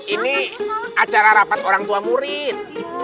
ini acara rapat orang tua murid